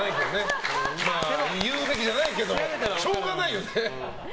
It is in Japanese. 言うべきじゃないけどしょうがないよね。